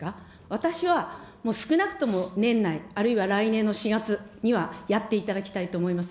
私はもう少なくとも年内、あるいは来年の４月には、やっていただきたいと思います。